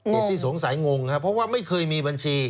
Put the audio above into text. เหตุที่สงสัยงงครับเพราะว่าไม่เคยมีบัญชี